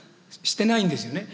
していないですよね。